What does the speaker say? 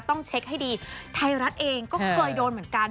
ต้องเช็คให้ดีไทยรัฐเองก็เคยโดนเหมือนกัน